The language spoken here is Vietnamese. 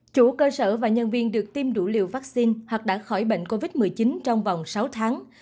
chủ cơ sở và nhân viên được tiêm đủ liều vaccine hoặc đã khỏi bệnh covid một mươi chín trong vòng sáu tháng